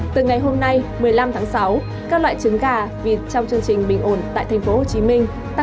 từ ngày hôm nay một mươi năm tháng sáu các loại trứng gà vịt trong chương trình bình ổn tại tp hcm tăng giá thêm hai đồng một trụ